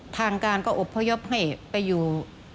ทางการก็อบพยพให้ไปอยู่